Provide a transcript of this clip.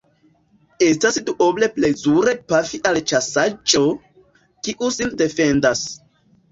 Estas duoble plezure pafi al ĉasaĵo, kiu sin defendas.